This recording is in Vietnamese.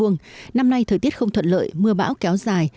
năm nay thời tiết không thuận lợi mưa bão kéo dài